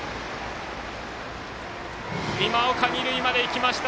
今岡、二塁までいきました！